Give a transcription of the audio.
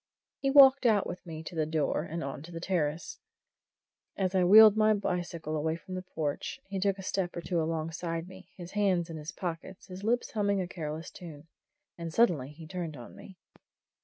He walked out with me to the door, and on to the terrace. And as I wheeled my bicycle away from the porch, he took a step or two alongside me, his hands in his pockets, his lips humming a careless tune. And suddenly he turned on me.